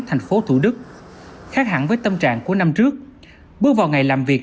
thành phố thủ đức khác hẳn với tâm trạng của năm trước bước vào ngày làm việc